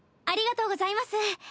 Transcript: ありがとうございます。